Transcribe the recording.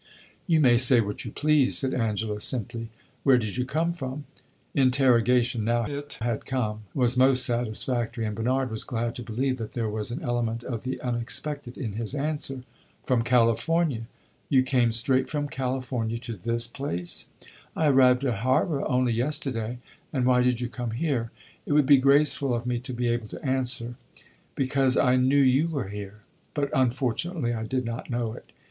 "You may say what you please," said Angela, simply. "Where did you come from?" Interrogation, now it had come, was most satisfactory, and Bernard was glad to believe that there was an element of the unexpected in his answer. "From California." "You came straight from California to this place?" "I arrived at Havre only yesterday." "And why did you come here?" "It would be graceful of me to be able to answer 'Because I knew you were here.' But unfortunately I did not know it.